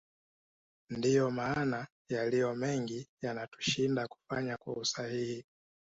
Ndio maana yaliyomengi yanatushinda kufanya kwa usahihi